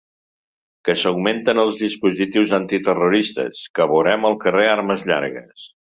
Que s’augmenten els dispositius antiterroristes, que veurem al carrer armes llargues.